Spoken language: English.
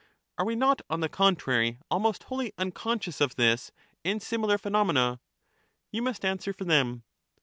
Are we not, on the contrary, almost wholly unconscious of this and similar phenomena ?' You must answer for them.